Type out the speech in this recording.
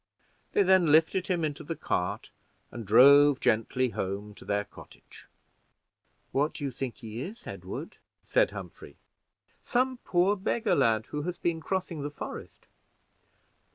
They then lifted him into the cart, and drove gently home to their cottage. "What do you think he is, Edward?" said Humphrey. "Some poor beggar lad, who has been crossing the forest."